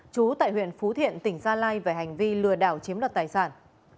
trú tại huyện phú thiện tỉnh gia lai về hành vi lừa đảo chiếm đoạt tài sản